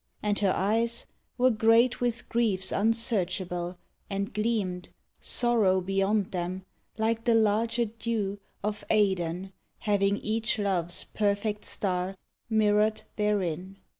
And her eyes Were great with griefs unsearchable, and gleamed, Sorrow beyond them, like the larger dew Of Aidenn, having each Love's perfect star Mirrored therein.